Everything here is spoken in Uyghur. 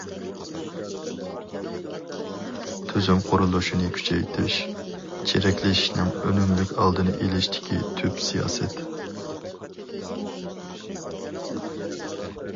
تۈزۈم قۇرۇلۇشىنى كۈچەيتىش چىرىكلىشىشنىڭ ئۈنۈملۈك ئالدىنى ئېلىشتىكى تۈپ سىياسەت.